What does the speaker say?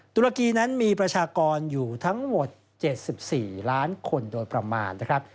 ตุรกีนั้นมีประชากรอยู่ทั้งหมด๗๔ล้านคนโดยประมาณนะครับ